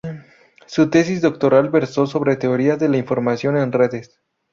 Su tesis doctoral versó sobre teoría de la información en redes.